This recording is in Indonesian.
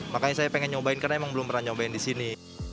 makanya saya pengen nyobain karena emang belum pernah nyobain di sini